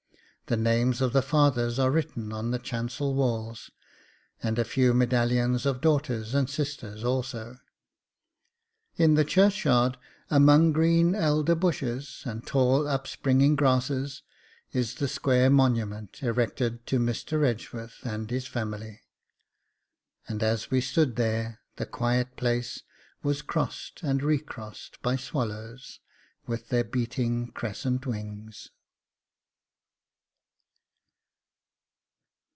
The names of the fathers are written on the chancel walls, and a few medallions of daughters and sisters also. In the churchyard, among green elder bushes and tall upspringing grasses, is the square monument erected to Mr. Edgeworth and his family; and as we stood there the quiet place was crossed and recrossed by swallows with their beating crescent wings.